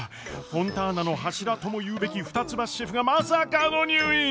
フォンターナの柱とも言うべき二ツ橋シェフがまさかの入院！？